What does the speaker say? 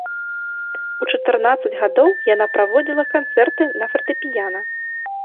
У чатырнаццаць гадоў яна праводзіла канцэрты на фартэпіяна.